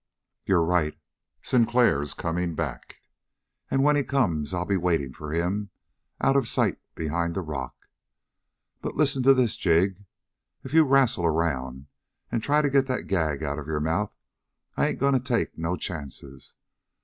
You're right: Sinclair's coming back, and when he comes, I'll be waiting for him out of sight behind the rock. But listen to this, Jig. If you wrastle around and try to get that gag out of your mouth, I ain't going to take no chances.